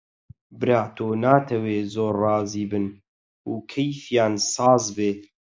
برا تۆ ناتەوێ زۆر ڕازی بن و کەیفیان ساز بێ؟